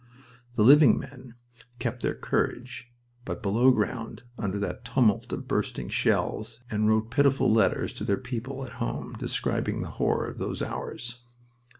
The living men kept their courage, but below ground, under that tumult of bursting shells, and wrote pitiful letters to their people at home describing the horror of those hours.